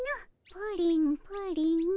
プリンプリン。